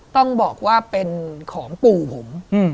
ต้องบอกว่าเป็นของปู่ผม